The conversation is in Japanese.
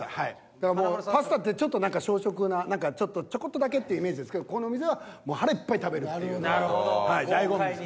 だからもうパスタってちょっと小食な何かちょこっとだけっていうイメージですけどこのお店はっていうのが醍醐味です。